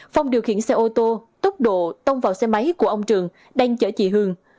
phong điều khiển xe ô tô tốc độ tông vào xe máy của ông trường đang chở chị hường